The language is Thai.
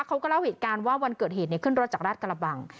เขาก็เล่าเหตุการณ์ว่าวันเกิดเหตุขึ้นรถจากราชกระบัง